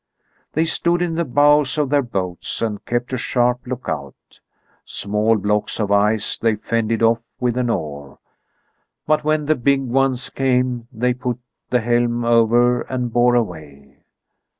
They stood in the bows of their boats and kept a sharp lookout. Small blocks of ice they fended off with an oar, but when the big ones came they put the helm over and bore away.